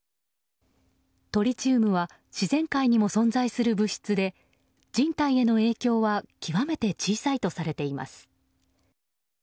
トリチウムは自然界にも存在する物質で人体への影響は極めて小さいとされています。